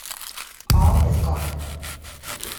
All is gone now.